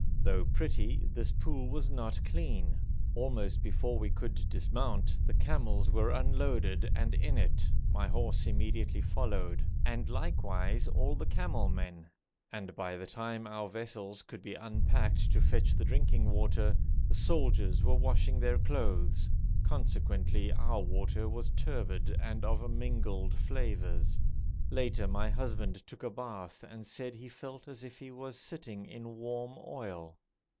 Though pretty, this pool was not clean. Almost before we could dismount the camels were unloaded and in it, my horse immediately followed, and likewise all the camel men, and by the time our vessels could be unpacked to fetch the drinking water, the soldiers were washing their clothes, consequently our water was turbid and of mingled flavours. Later my husband took a bath, and said he felt as if he was sitting in warm oil.